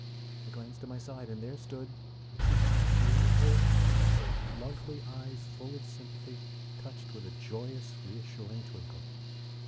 I glanced to my side, and there stood Mrs. Julia Ward Howe, her lovely eyes full of sympathy, touched with a joyous reassuring twinkle.